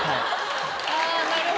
あなるほど！